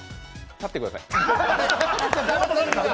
立ってください。